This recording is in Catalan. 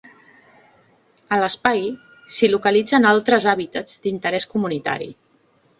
A l’espai s’hi localitzen altres hàbitats d’interès comunitari.